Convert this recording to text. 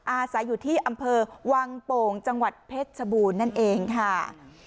อาศัยอยู่ที่อำเภอวังโป่งจังหวัดเพชรชบูรณ์นั่นเองค่ะ